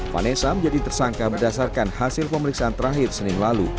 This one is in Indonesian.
vanessa menjadi tersangka berdasarkan hasil pemeriksaan terakhir senin lalu